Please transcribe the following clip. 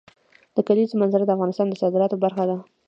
د کلیزو منظره د افغانستان د صادراتو برخه ده.